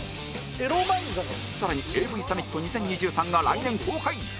更に ＡＶ サミット２０２３が来年公開